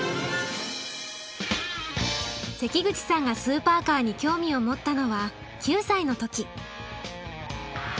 関口さんがスーパーカーに興味を持ったのは９歳の時。